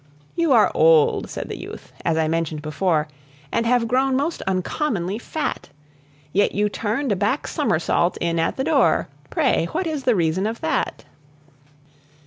"You are old," said the youth, "as I mentioned before, And have grown most uncommonly fat; Yet you turned a back somersault in at the door Pray, what is the reason of that?"